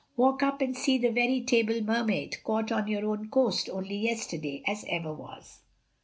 Walk up and see the very table Mermaid caught on your own coast only yesterday as ever was."